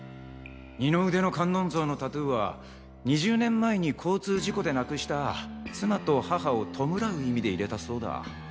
二の腕の観音像のタトゥーは２０年前に交通事故で亡くした妻と母を弔う意味で入れたそうだ。